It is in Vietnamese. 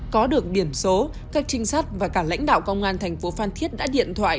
có được biển số các trinh sát và cả lãnh đạo công an tp phan thiết đã điện thoại